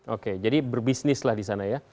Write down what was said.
oke jadi berbisnis lah di sana ya